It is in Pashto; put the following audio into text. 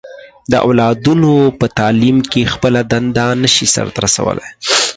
د اولادونو په تعليم کې خپله دنده نه شي سرته رسولی.